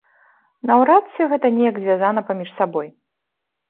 Наўрад ці гэта неяк звязана паміж сабой.